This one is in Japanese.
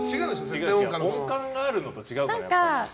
音感があるのと違うから。